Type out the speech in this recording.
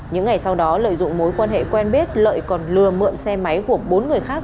những ngày sau đó lợi dụng mối quan hệ quen biết lợi còn lừa mượn xe máy của bốn người khác